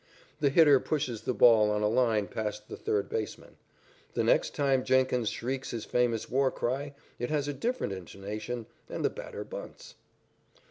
The hitter pushes the ball on a line past the third baseman. The next time Jennings shrieks his famous war cry, it has a different intonation, and the batter bunts.